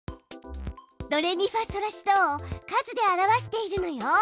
ドレミファソラシドを数で表しているのよ。